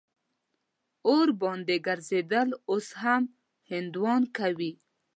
اور باندې ګرځېدل اوس هم هندوان کوي.